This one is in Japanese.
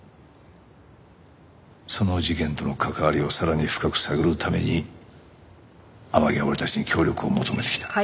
その事件との関わりをさらに深く探るために天樹は俺たちに協力を求めてきた。